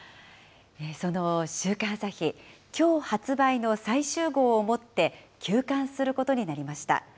その週刊朝日、きょう発売の最終号をもって、休刊することになりました。